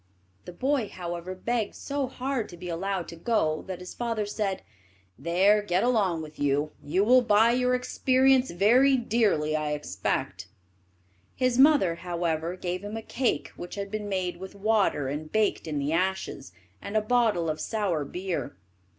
The boy, however, begged so hard to be allowed to go that his father said: "There, get along with you; you will buy your experience very dearly, I expect." His mother, however, gave him a cake which had been made with water and baked in the ashes, and a bottle of sour beer.